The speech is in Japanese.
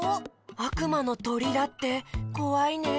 あくまのとりだってこわいねえ。